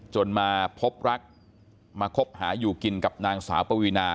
จนมาพบรักมาคบหาอยู่กินกับนางสาวปวีนา